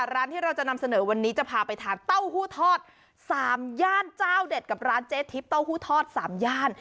ร้านที่เราจะนำเสนอวันนี้จะพาไปทานเต้าหู้ทอด๓ย่านเจ้าเด็ดกับร้านเจ๊ทิพย์เต้าหู้ทอด๓ย่าน